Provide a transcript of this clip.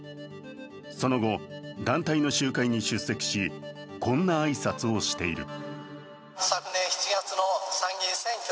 その後、団体の集会に出席しこんな挨拶をしている。